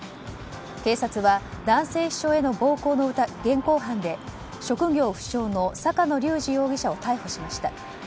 警察は男性秘書への暴行の現行犯で職業不詳の坂野隆治容疑者を逮捕しました。